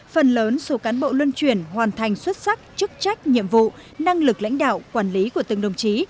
phần lớn số cán bộ luân chuyển hoàn thành xuất sắc chức trách nhiệm vụ năng lực lãnh đạo quản lý của từng đồng chí